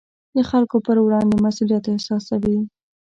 د خلکو پر وړاندې مسوولیت احساسوي.